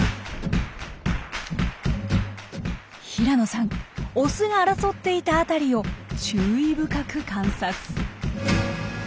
平野さんオスが争っていた辺りを注意深く観察。